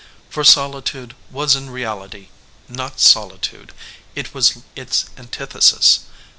For solitude was in reality not solitude. It was its antithesis.